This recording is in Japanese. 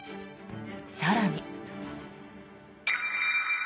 更に。